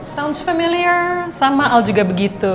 saunce familiar sama al juga begitu